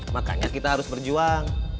makanya kita harus berjuang